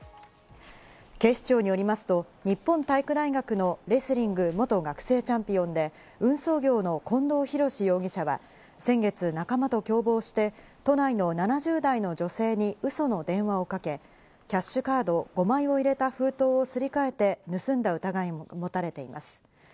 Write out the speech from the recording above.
警視庁によりますと、日本体育大学のレスリング元学生チャンピオンで運送業の近藤弘志容疑者は先月、仲間と共謀して都内の７０代の女性に嘘の電話をかけ、キャッシュカード５枚を入れた封筒をすりかえて盗んだ疑いが持たれています。